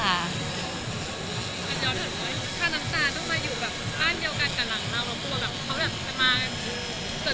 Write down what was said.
มันยอดเหมือนค่ะน้ำตาต้องมาอยู่แบบบ้านเดียวกันกับหลังเรา